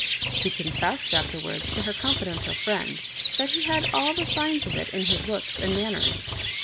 She confessed afterwards to her confidential friend that he had all the signs of it in his looks and manners.